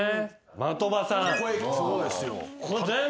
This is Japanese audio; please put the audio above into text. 的場さん。